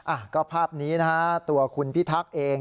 อ่ะก็ภาพนี้นะฮะตัวคุณพิทักษ์เอง